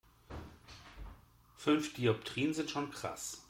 Fünf Dioptrien sind schon krass.